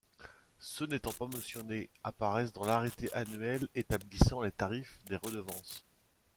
Ceux n'étant pas mentionnés apparaissent dans l'arrêté annuel établissant les tarifs des redevances.